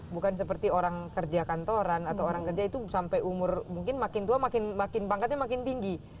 bukan seperti orang kerja kantoran atau orang kerja itu sampai umur mungkin makin tua makin pangkatnya makin tinggi